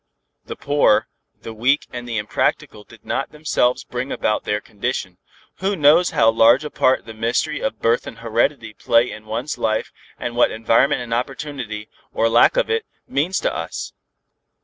The poor, the weak and the impractical did not themselves bring about their condition. Who knows how large a part the mystery of birth and heredity play in one's life and what environment and opportunity, or lack of it, means to us?